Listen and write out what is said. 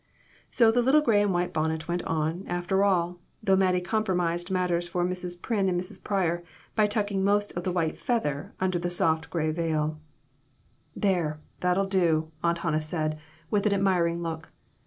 So the little gray and white bonnet went on, after all, though Mattie compromised matters for Mrs. Pryn and Mrs. Pryor by tucking most of the white feather under a soft gray veil. I 14 IMPROMPTU VISITS. "There! You'll do," Aunt Hannah said, with an admiring look.